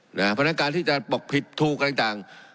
เพราะฉะนั้นการที่จะบอกผิดถูกอะไรต่าง